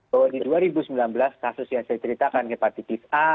bahwa di dua ribu sembilan belas kasus yang saya ceritakan hepatitis a